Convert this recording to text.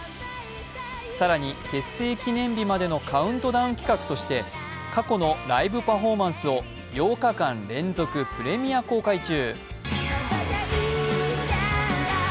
更に結成記念日までのカウントダウン企画として過去のライブパフォーマンスを８日間連続プレミア公開中。